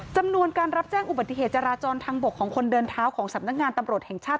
จำนวนการรับแจ้งอุบัติเหตุจราจรทางบกของคนเดินเท้าของสำนักงานตำรวจแห่งชาติ